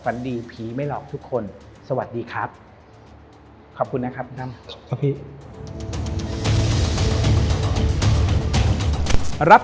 ฝันดีผีไม่หลอกทุกคนสวัสดีครับ